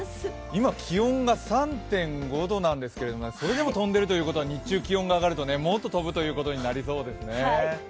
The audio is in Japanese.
今、気温が３．５度なんですけど、それでも飛んでるってことは日中気温が上がると、もっと飛ぶことになりそうですね。